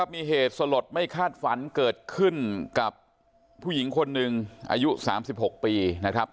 มีเหตุสลดไม่คาดฝันเกิดขึ้นกับผู้หญิงคนหนึ่งอายุ๓๖ปีนะครับ